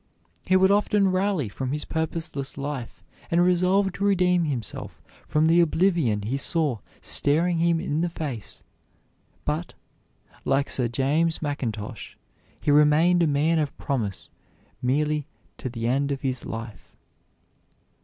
He would often rally from his purposeless life, and resolve to redeem himself from the oblivion he saw staring him in the face; but, like Sir James Mackintosh, he remained a man of promise merely to the end of his life.